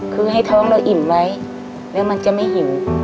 คือให้ท้องเราอิ่มไว้แล้วมันจะไม่หิว